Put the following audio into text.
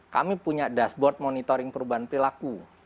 kami punya dashboard monitoring perubahan perilaku